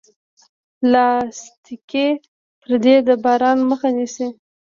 پلاستيکي پردې د باران مخه نیسي.